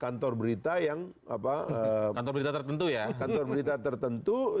kantor berita yang kantor berita tertentu ya kantor berita tertentu